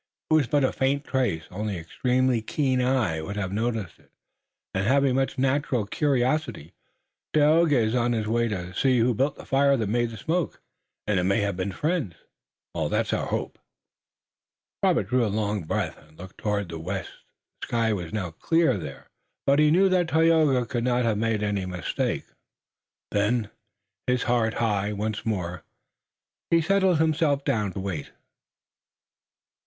It was but a faint trace. Only an extremely keen eye would have noticed it, and having much natural curiosity, Tayoga is now on his way to see who built the fire that made the smoke." "And it may have been made by friends." "That's our hope." Robert drew a long breath and looked toward the west. The sky was now clear there, but he knew that Tayoga could not have made any mistake. Then, his heart high once more, he settled himself down to wait.